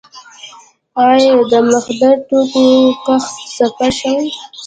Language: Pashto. آیا د مخدره توکو کښت صفر شوی؟